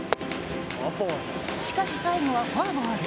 しかし最後はフォアボール。